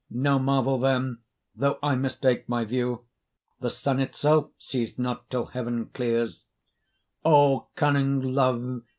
No marvel then, though I mistake my view; The sun itself sees not, till heaven clears. O cunning Love!